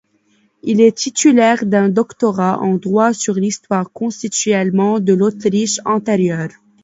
Il est titulaire d'un doctorat en droit sur l'histoire constitutionnelle de l'Autriche antérieure.